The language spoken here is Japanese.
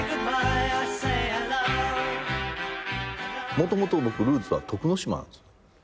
もともと僕ルーツは徳之島なんです。